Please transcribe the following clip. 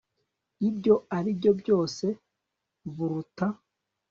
Ibyo ari byo byose buruta